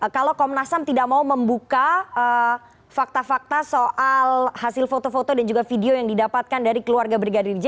kalau komnas ham tidak mau membuka fakta fakta soal hasil foto foto dan juga video yang didapatkan dari keluarga brigadir j